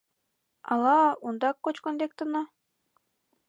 — Ала ондак кочкын лектына?